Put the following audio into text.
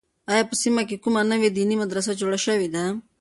آیا په دې سیمه کې کومه نوې دیني مدرسه جوړه شوې ده؟